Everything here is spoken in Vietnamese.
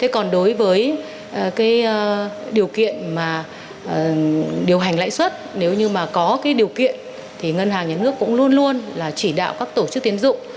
còn đối với điều kiện điều hành lãi suất nếu như có điều kiện thì ngân hàng nhà nước cũng luôn luôn chỉ đạo các tổ chức tiến dụng